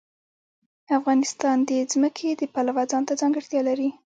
افغانستان د ځمکه د پلوه ځانته ځانګړتیا لري.